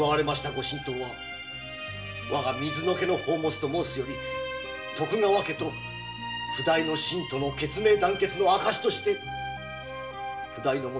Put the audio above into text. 御神刀はわが水野家の宝物と申すより徳川家と譜代の臣との血盟団結の証として譜代の者すべてが尊崇致す